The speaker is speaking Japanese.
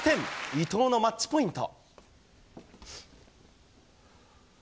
伊藤のマッチポイント。